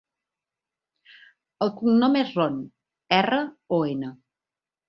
El cognom és Ron: erra, o, ena.